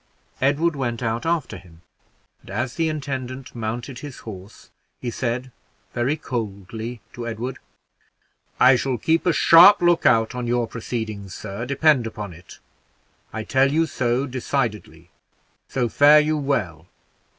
Edward went out after him; and as the intendant mounted his horse, he said very coldly to Edward, "I shall keep a sharp look out on your proceedings, sir, depend upon it; I tell you so decidedly, so fare you well."